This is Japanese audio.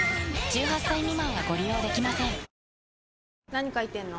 何書いてんの？